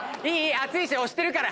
暑いし押してるから。